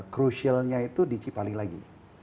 crucialnya itu di cipali lagi